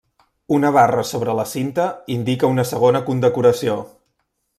Una barra sobre la cinta indica una segona condecoració.